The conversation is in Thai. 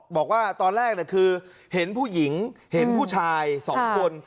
บอกว่าตอนแรกคือเห็นผู้หญิงเห็นผู้ชาย๒คน